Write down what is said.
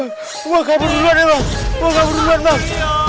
aduh bang gue kabur duluan ya bang gue kabur duluan bang